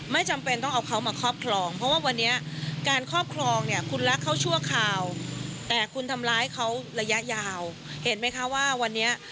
ไม่จำเป็นต้องเอาเขามาครอบครองเพราะว่าวันนี้การครอบครองเนี่ยคุณรักเขาชั่วคราวแต่คุณทำร้ายเขาระยะยาวเห็นไหมคะว่าวันนี้